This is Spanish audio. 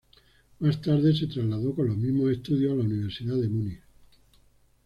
Más tarde se trasladó con los mismos estudios a la Universidad de Múnich.